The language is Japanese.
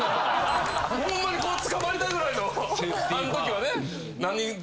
ホンマにつかまりたいぐらいのあんときはね。